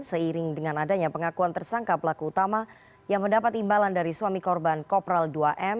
seiring dengan adanya pengakuan tersangka pelaku utama yang mendapat imbalan dari suami korban kopral dua m